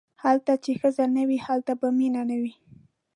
هلته چې ښځه نه وي هلته به مینه نه وي.